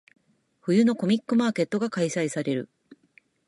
冬のコミックマーケットが開催される。